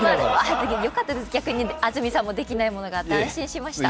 よかったです、逆に、安住さんにもできないものがあって。